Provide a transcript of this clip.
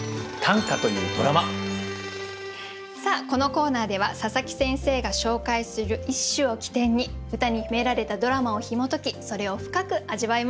さあこのコーナーでは佐佐木先生が紹介する一首を起点に歌に秘められたドラマをひも解きそれを深く味わいます。